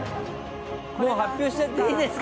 もう発表しちゃっていいですか？